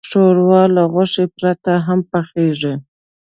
ښوروا له غوښې پرته هم پخیږي.